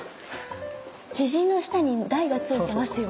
肘の下に台がついてますよ。